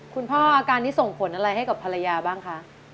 อาการนี้ส่งผลอะไรให้กับภรรยาบ้างคะ